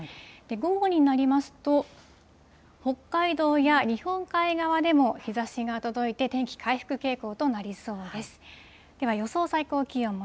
午後になりますと、北海道や日本海側でも日ざしが届いて、天気、回復傾向となりそうです。